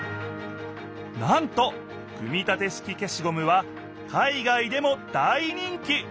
なんと組み立て式消しゴムは海外でも大人気！